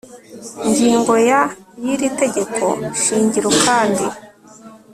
ngingo ya y iri tegeko shingiro kandi